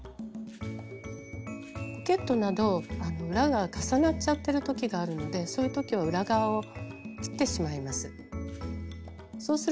ポケットなど裏が重なっちゃってる時があるのでそういう時は裏側を切ってしまいます。